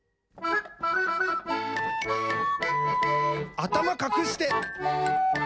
「あたまかくして！」